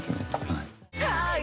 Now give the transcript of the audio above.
はい。